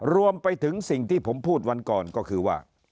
รวมไปถึงสิ่งที่ผมพูดวันก่อนก็คือว่า